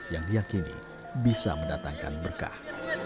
yang diakini bisa mendatangkan berkah